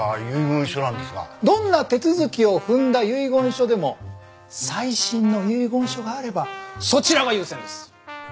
どんな手続きを踏んだ遺言書でも最新の遺言書があればそちらが優先です。